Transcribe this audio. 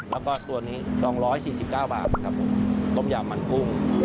แล้วก็ตัวนี้๒๔๙บาทครับผมต้มยำมันกุ้ง